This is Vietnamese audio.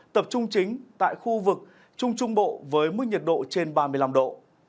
tập trung chính tại khu vực trung trung bộ với mức nhiệt độ trên ba mươi năm độ